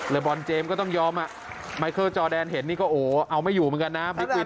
บอลเจมส์ก็ต้องยอมอ่ะไมเคิลจอแดนเห็นนี่ก็โอ้โหเอาไม่อยู่เหมือนกันนะบิ๊กวิน